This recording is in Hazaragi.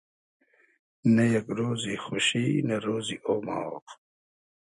نۂ یئگ رۉزی خوشی و رۉزی اۉماغ